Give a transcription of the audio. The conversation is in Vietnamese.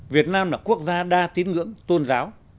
việt nam là quốc gia đa tín ngưỡng tôn giáo